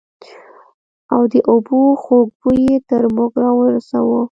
او د اوبو خوږ بوى يې تر موږ رارساوه.